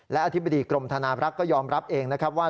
และอธิบดีกรมธนาบรักษ์ก็ยอมรับเองนะครับว่า